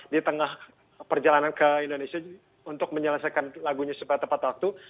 di tengah perjalanan ke indonesia untuk menyelesaikan lagunya tepat waktu